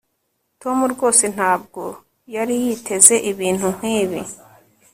tom rwose ntabwo yari yiteze ibintu nkibi